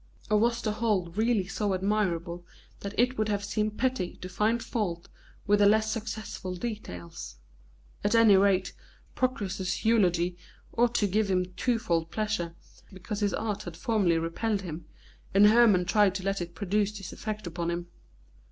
Or was the whole really so admirable that it would have seemed petty to find fault with the less successful details? At any rate, Proclus's eulogy ought to give him twofold pleasure, because his art had formerly repelled him, and Hermon tried to let it produce this effect upon him.